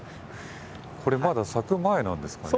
これまだ咲く前なんですかね。